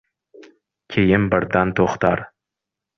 Keyin birdan to’xtar…